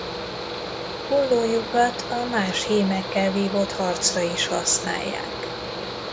Ollójukat a más hímekkel vívott harcra is használják.